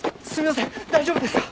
大丈夫ですか？